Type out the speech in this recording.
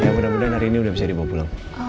ya mudah mudahan hari ini sudah bisa dibawa pulang